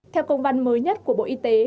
theo công văn mới nhất của bộ y tế